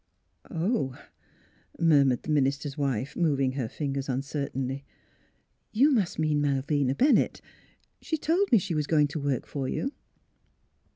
'' Oh !" murmured the minister 's wife, moving her fingers uncertainly. " You must mean Mal vina Bennett. She told me she was going to work for you."